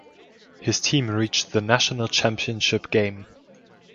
His team reached the national championship game.